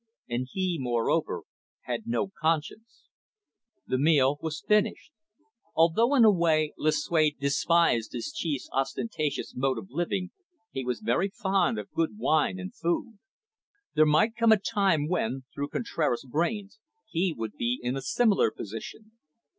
And he, moreover, had no conscience. The meal was finished. Although in a way Lucue despised his chief's ostentatious mode of living, he was very fond of good wine and food. There might come a time when, through Contraras' brains, he would be in a similar position.